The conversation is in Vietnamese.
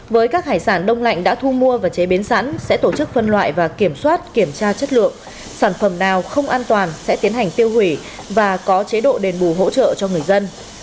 với các hải sản đông lạnh đã thu mua và chế biến sẵn sẽ tổ chức phân loại và kiểm soát kiểm tra chất lượng sản phẩm nào không an toàn sẽ tiến hành tiêu hủy và có chế độ đền bù hỗ trợ cho người dân